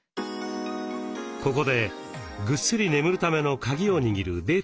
ここでぐっすり眠るためのカギを握るデータをご紹介。